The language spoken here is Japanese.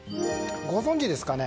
ご存じですかね